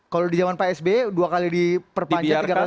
kalau di zaman pak s b dua kali diperpanjang